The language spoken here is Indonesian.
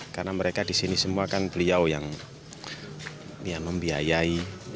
karena mereka di sini semua kan beliau yang membiayai